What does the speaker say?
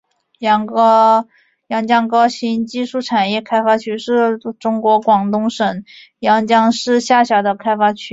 阳江高新技术产业开发区是中国广东省阳江市下辖的开发区。